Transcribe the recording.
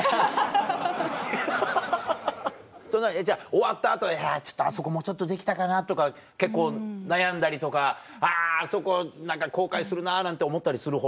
終わった後「あぁちょっとあそこもうちょっとできたかな」とか結構悩んだりとか「あぁあそこ何か後悔するな」なんて思ったりするほう？